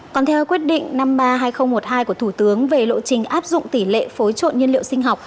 còn theo quyết định năm trăm ba mươi hai nghìn một mươi hai của thủ tướng về lộ trình áp dụng tỷ lệ phối trộn nhiên liệu sinh học